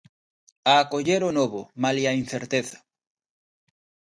A acoller o novo, malia a incerteza.